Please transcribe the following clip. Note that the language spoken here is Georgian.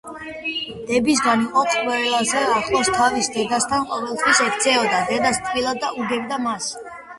დებისგან იყო ყველაზე ახლოს თავის დედასთან, ყოველთვის ექცეოდა დედას თბილად და უგებდა მას.